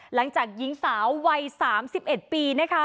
หลังจากหญิงสาวที่๓๑ปี